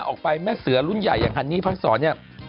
ออกไปแม่เสือรุ่นใหญ่อย่างฮันนี่พักษรเนี่ย